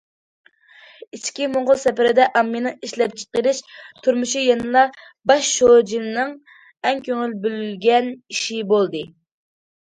ئىچكى موڭغۇل سەپىرىدە، ئاممىنىڭ ئىشلەپچىقىرىش، تۇرمۇشى يەنىلا باش شۇجىنىڭ ئەڭ كۆڭۈل بۆلگەن ئىشى بولدى.